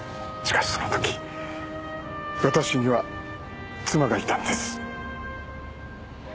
しかしその時私には妻がいたんです。